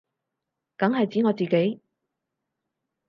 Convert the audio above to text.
梗係指我自己